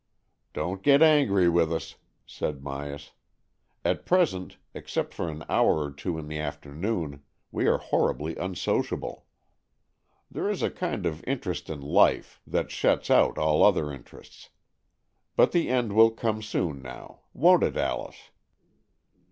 " Don't get .ilngry with us," said Myas. ''At present, except for an hour or two in the afternoon, we are horribly unsociable. There is a kind of interest in life, that shuts out all other interests. But the end will come soon now, won't it, Alice